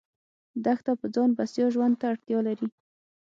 دښته په ځان بسیا ژوند ته اړتیا لري.